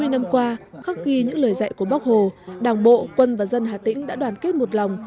hai mươi năm qua khắc ghi những lời dạy của bác hồ đảng bộ quân và dân hà tĩnh đã đoàn kết một lòng